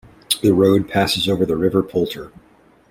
The road passes over the River Poulter.